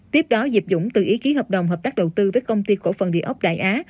tiếp đó diệp dũng tự ý ký hợp đồng hợp tác đầu tư với công ty cổ phần địa ốc đại á